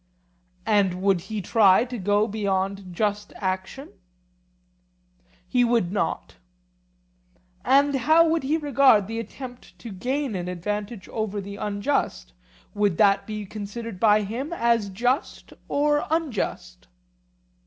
And would he try to go beyond just action? He would not. And how would he regard the attempt to gain an advantage over the unjust; would that be considered by him as just or unjust?